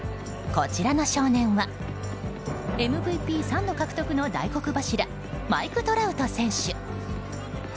こちらの少年はＭＶＰ３度獲得の大黒柱マイク・トラウト選手。